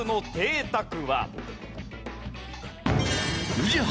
宇治原